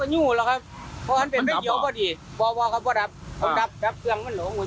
อยู่ของทางถ้าหลังยังน่าจะเป็น